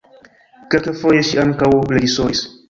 Kelkfoje ŝi ankaŭ reĝisoris.